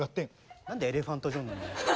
何でエレファントジョンなんだよ。